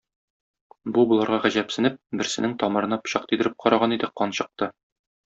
Бу боларга гаҗәпсенеп, берсенең тамырына пычак тидереп караган иде, кан чыкты.